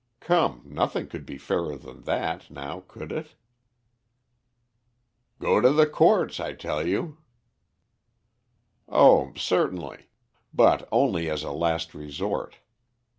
Come, nothing could be fairer than that, now could it?" "Go to the courts, I tell you." "Oh, certainly. But only as a last resort.